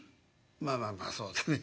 「まあまあまあそうだね。